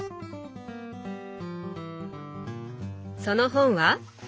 その本は？